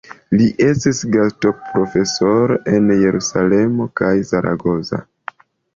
Li estis gastoprofesoro en Jerusalemo kaj Zaragoza.